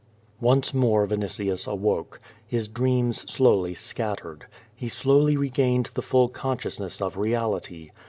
Once more Vinitius awoke. His dreams slowly scattered. He slowly regained the full consciousness of reality.